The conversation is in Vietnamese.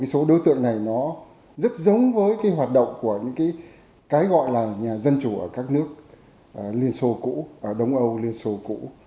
số đối tượng này nó rất giống với hoạt động của những cái gọi là nhà dân chủ ở các nước liên xô cũ đông âu liên xô cũ